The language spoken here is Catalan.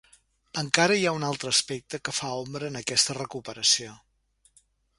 Encara hi ha un altre aspecte que fa ombra en aquesta recuperació.